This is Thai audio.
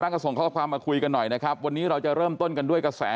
ก็ส่งข้อความมาคุยกันหน่อยนะครับวันนี้เราจะเริ่มต้นกันด้วยกระแส